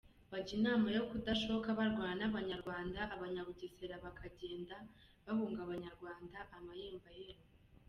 Bajya inama yo kudashoka barwana n’ abanyarwanda; abanyabugesera bakagenda bahunga abanyarwanda amayembayembo.